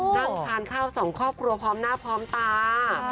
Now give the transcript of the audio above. นั่งทานข้าวสองครอบครัวพร้อมหน้าพร้อมตา